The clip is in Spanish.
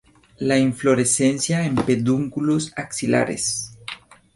La inflorescencia en pedúnculos axilares.